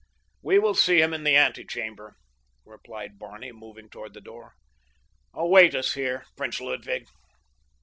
"We will see him in the ante chamber," replied Barney, moving toward the door. "Await us here, Prince Ludwig."